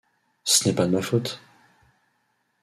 Ce n'est pas de ma faute !